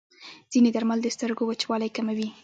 ځینې درمل د سترګو وچوالی کموي.